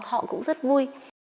họ cũng rất vui